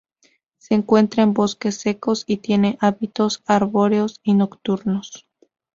Se encuentra en bosques secos y tiene hábitos arbóreos y nocturnos.